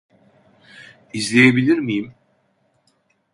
İzleyebilir miyim?